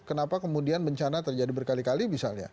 kenapa kemudian bencana terjadi berkali kali misalnya